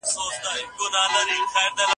ایمان موږ ته د سخاوت او مېړاني درس راکوي.